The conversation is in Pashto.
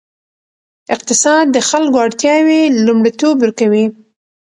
اقتصاد د خلکو اړتیاوې لومړیتوب ورکوي.